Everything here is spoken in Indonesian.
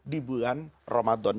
di bulan ramadan